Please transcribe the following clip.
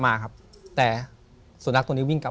ถูกต้องไหมครับถูกต้องไหมครับ